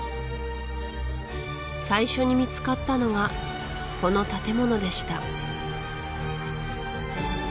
最初に見つかったのがこの建物でした